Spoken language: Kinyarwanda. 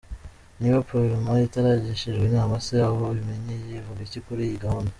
Niba Parlement itaragishijwe inama se, aho ibimenyeye ivuga iki kuri iyi gahunda ?